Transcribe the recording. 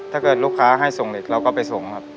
ถ้าเกิดลูกค้าให้ส่งเด็กเราก็ไปส่งครับ